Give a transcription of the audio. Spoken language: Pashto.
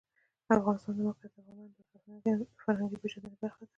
د افغانستان د موقعیت د افغانانو د فرهنګي پیژندنې برخه ده.